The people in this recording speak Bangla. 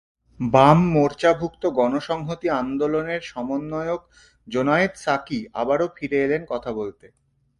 বাম মোর্চাভুক্ত গণসংহতি আন্দোলনের সমন্বয়ক জোনায়েদ সাকি আবারও ফিরে এলেন কথা বলতে।